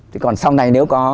thì còn sau này nếu có